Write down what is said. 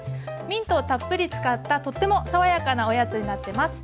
ミントをたっぷり使ったとっても爽やかなおやつになってます。